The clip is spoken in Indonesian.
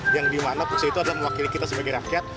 yang di mana fungsi itu adalah mewakili kita sebagai rakyat